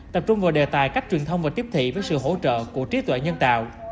tập trung vào đề tài cách truyền thông và tiếp thị với sự hỗ trợ của trí tuệ nhân tạo